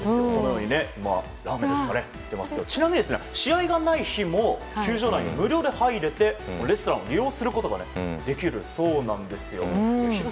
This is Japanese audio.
ラーメンとかも出ますけどちなみに試合がない日も球場内には無料では入れてレストランを利用することができるそうなんですよ。